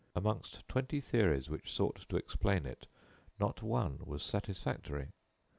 Amongst twenty theories which sought to explain it, not one was satisfactory.